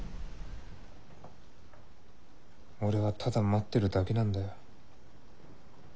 俺はただ待ってるだけなんだよ。